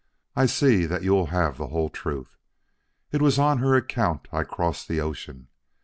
I see that you will have the whole truth. It was on her account I crossed the ocean.